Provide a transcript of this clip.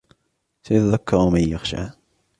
سَيَذَّكَّرُ مَن يَخْشَىٰ